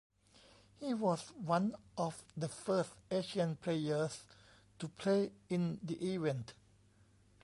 He was one of the first Asian players to play in the event.